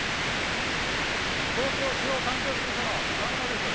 東京地方環境事務所の川村です。